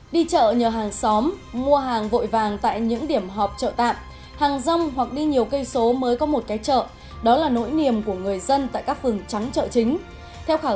đi chợ nhờ hàng xóm mua hàng vội vàng tại những điểm họp chợ tạm hàng rong hoặc đi nhiều cây số mới có một cái chợ đó là nỗi niềm của người dân tại các phường trắng chợ chính